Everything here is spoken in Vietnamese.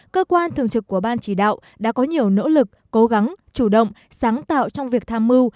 cơ quan thường trực của ban chỉ đạo đã có nhiều nỗ lực cố gắng chủ động sáng tạo trong việc tham mưu